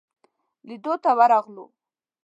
لیدلو ته ورغلو.